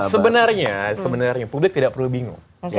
sebenarnya sebenarnya publik tidak perlu bingung